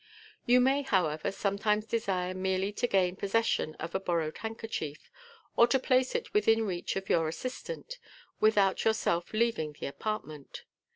You may, however, sometimes desire merely to gain possession ol a borrowed handkerchief, or to place it within reach of your assistant, without yourself leaving the apartment.